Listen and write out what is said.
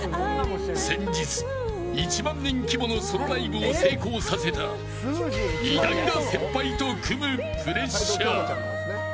先日、１万人規模のソロライブを成功させた偉大な先輩と組むプレッシャー。